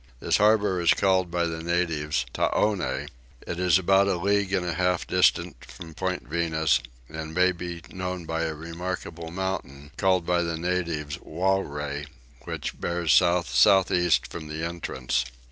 This harbour is called by the natives Taowne: it is about a league and a half distant from Point Venus and may be known by a remarkable mountain, called by the natives Wawry, which bears south south east from the entrance.